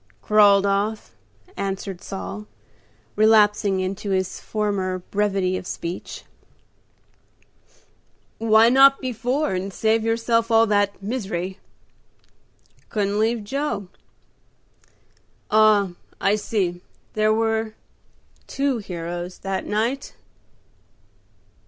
"Crawled off," answered Saul, relapsing into his former brevity of speech. "Why not before, and save yourself all that misery?" "Couldn't leave Joe." "Ah, I see; there were two heroes that night."